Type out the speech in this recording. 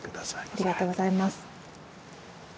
ありがとうございます。